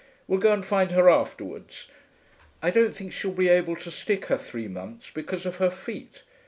We'll go and find her afterwards. I don't think she'll be able to stick her three months, because of her feet.